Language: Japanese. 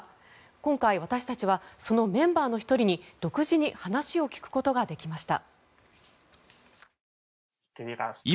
今回、私たちはそのメンバーの１人に独自に話を聞くことができました。